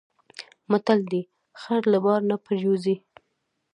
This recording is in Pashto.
متل دی: خر له بار نه پرېوځي.